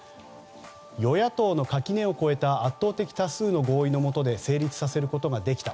与野党の垣根を超えた圧倒的多数の合意のもとで成立させることができた。